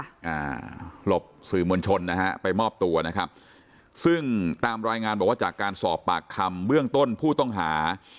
หลบสื่อมวลชนนะฮะไปมอบตัวนะครับซึ่งตามรายงานบอกว่าจากการสอบปากคำเบื้องต้นผู้ต้องหา